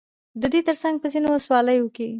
ددې ترڅنگ په ځينو ولسواليو كې